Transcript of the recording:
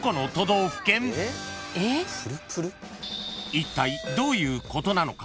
［いったいどういうことなのか？］